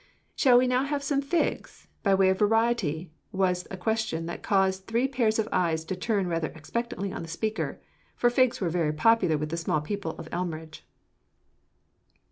"Shall we have some figs now, by way of variety?" was a question that caused three pairs of eyes to turn rather expectantly on the speaker; for figs were very popular with the small people of Elmridge. [Illustration: THE BANYAN TREE.